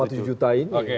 ya ganti baju lah